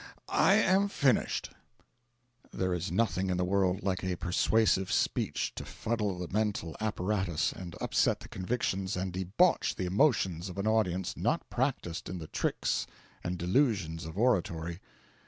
I have finished." There is nothing in the world like a persuasive speech to fuddle the mental apparatus and upset the convictions and debauch the emotions of an audience not practised in the tricks and delusions of oratory.